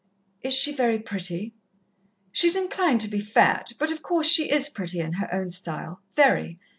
"Is she very pretty?" "She's inclined to be fat, but, of course, she is pretty, in her own style very.